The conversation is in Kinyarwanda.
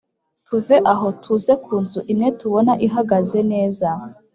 tuve aho tuze kunzu imwe tubona ihagaze nez a